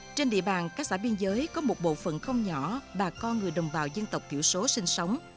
trên địa bàn các xã biên giới có một bộ phận không nhỏ bà con người đồng bào dân tộc thiểu số sinh sống